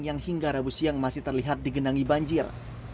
yang hingga rabu siang masih terlihat digenangi banjir